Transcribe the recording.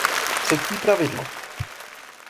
Třetí pravidlo!